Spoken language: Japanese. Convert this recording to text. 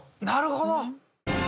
なるほど。